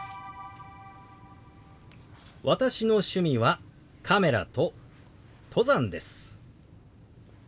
「私の趣味はカメラと登山です」。